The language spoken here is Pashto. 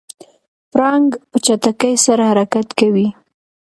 پړانګ په چټکۍ سره حرکت کوي.